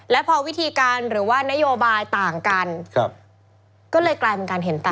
และพอวิธีการหรือว่านโยบายต่างกันก็เลยกลายเป็นการเห็นต่าง